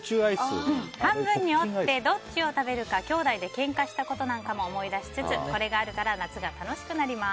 半分に折ってどっちを食べるかきょうだいでけんかしたことなんかも思い出しつつこれがあるから夏が楽しくなります。